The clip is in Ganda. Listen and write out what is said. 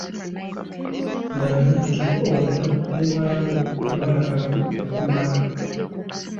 Mmanyi nti olina muwala wo omubalagavu okukamala.